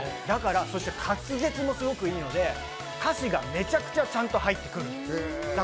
そして滑舌もすごくいいので、歌詞がめちゃくちゃちゃんと入ってくる。